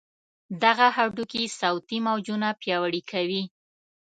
دغه هډوکي صوتي موجونه پیاوړي کوي.